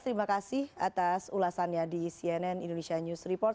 terima kasih atas ulasannya di cnn indonesia news report